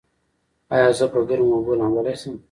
ایا زه په ګرمو اوبو لامبلی شم؟